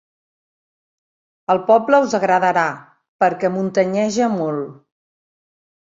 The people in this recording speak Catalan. El poble us agradarà, perquè muntanyeja molt.